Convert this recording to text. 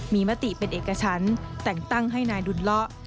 มีมติเป็นเอกชั้นแต่งตั้งให้นายดุลเลาะ